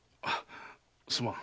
すまん。